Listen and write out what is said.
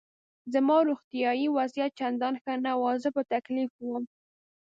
زما روغتیایي وضعیت چندان ښه نه و، زه په تکلیف وم.